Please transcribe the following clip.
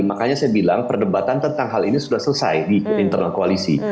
makanya saya bilang perdebatan tentang hal ini sudah selesai di internal koalisi